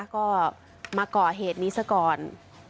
ก็มาก่อเหตุนี้ซะก่อน